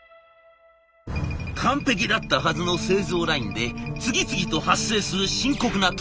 完璧だったはずの製造ラインで次々と発生する深刻なトラブル。